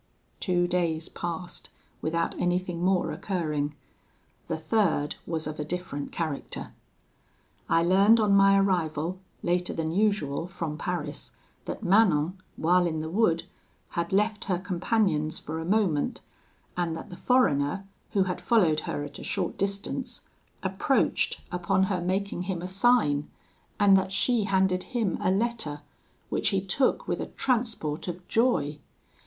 "Two days passed without anything more occurring: the third was of a different character. I learned on my arrival, later than usual, from Paris, that Manon, while in the wood, had left her companions for a moment, and that the foreigner, who had followed her at a short distance, approached, upon her making him a sign, and that she handed him a letter, which he took with a transport of joy.